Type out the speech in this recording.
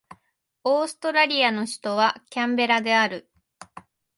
オーストラリアの首都はキャンベラである